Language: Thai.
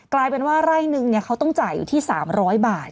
กลายเป็นว่าไร่นึงเขาต้องจ่ายอยู่ที่๓๐๐บาท